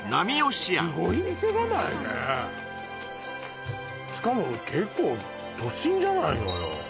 しかも結構都心じゃないのよ